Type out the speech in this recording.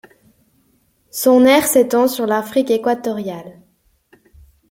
Son aire s'étend sur l'Afrique équatoriale.